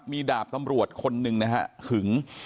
มีดาบตำรวจคนหนึ่งนะฮะหึง